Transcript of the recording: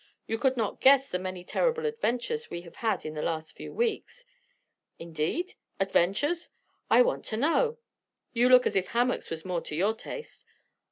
You could not guess the many terrible adventures we have had in the last few weeks." "Indeed! Adventures? I want ter know! You look as if hammocks was more to your taste.